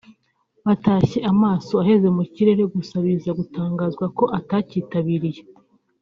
batashye amaso aheze mu kirere gusa biza gutangazwa ko atacyitabiriye